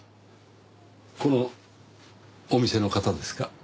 このお店の方ですか？